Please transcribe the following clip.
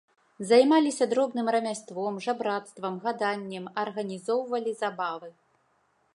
Займаліся дробным рамяством, жабрацтвам, гаданнем, арганізоўвалі забавы.